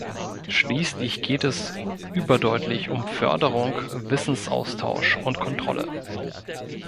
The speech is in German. Schließlich geht es überdeutlich um Förderung, Wissensaustausch und Kontrolle.